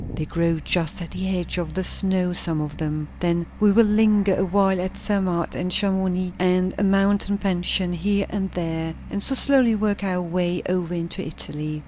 They grow just at the edge of the snow, some of them. Then we will linger a while at Zermatt and Chamounix, and a mountain pension here and there, and so slowly work our way over into Italy.